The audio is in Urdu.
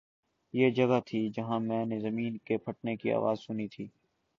”یہ جگہ تھی، جہاں میں نے زمین کے پھٹنے کی آواز سنی تھی